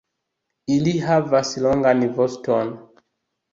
Ili havas longan voston.